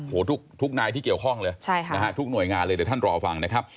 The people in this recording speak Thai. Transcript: โอ้โหทุกนายที่เกี่ยวข้องเลยทุกหน่วยงานเลยเดี๋ยวท่านรอฟังนะครับ